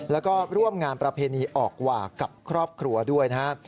แล้วก็ร่วมงานประเพณีออกหว่ากับครอบครัวด้วยนะฮะ